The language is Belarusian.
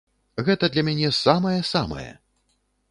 Гэта для мяне самае-самае!